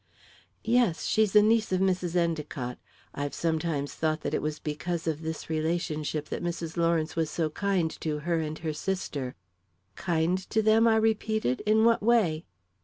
"Yes; she's a niece of Mrs. Endicott. I've sometimes thought that it was because of this relationship that Mrs. Lawrence was so kind to her and to her sister." "Kind to them?" I repeated. "In what way?"